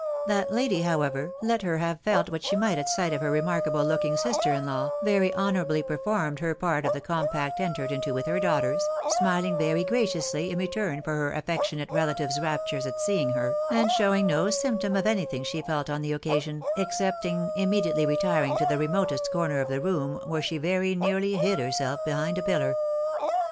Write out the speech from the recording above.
That lady, \ however, let her nave felt what she might at sight of her \ remarkable looking sister in law, very honourably performed fier part of the compact entered into with her daughters, smiling ^ery graciously in return for Tier affectionate relative's raptures (it seeing her, and showing no symptom of anything she felt on the occasion, excepting immediately retiring to the remotest fonfer of the room, where she very nearly hid herself Behind a ' iillar.